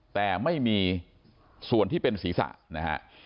แต่ไม่มีส่วนที่เป็นศีรษะนะฮะ